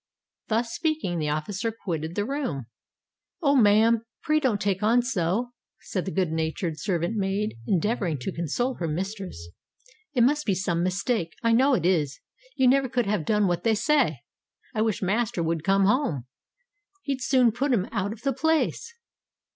Thus speaking, the officer quitted the room. "Oh! ma'am, pray don't take on so," said the good natured servant maid, endeavouring to console her mistress. "It must be some mistake—I know it is,—you never could have done what they say! I wish master would come home—he'd soon put 'em out of the place."